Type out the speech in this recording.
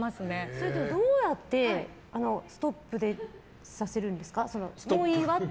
それ、どうやってストップさせるんですか？